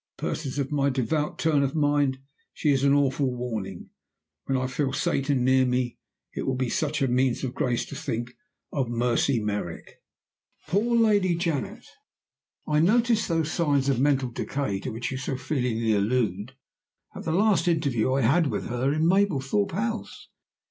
To persons of my devout turn of mind she is an awful warning. When I feel Satan near me it will be such a means of grace to think of Mercy Merrick! "Poor Lady Janet! I noticed those signs of mental decay to which you so feelingly allude at the last interview I had with her in Mablethorpe House.